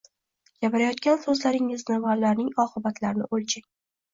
Gapirayotgan so‘zlaringizni va ularning oqibatlarini o‘lchang.